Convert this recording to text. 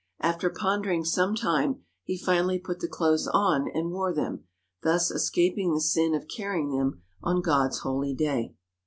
After pondering some time, he finally put the clothes on and wore them, thus escaping the sin of carrying them on God's holy day.